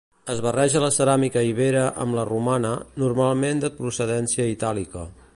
Es barreja la ceràmica ibera amb la romana, normalment de procedència itàlica.